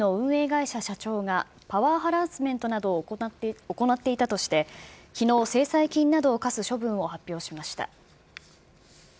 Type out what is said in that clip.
会社社長がパワーハラスメントなどを行っていたとして、きのう、制裁金などを科す処分を発表しました。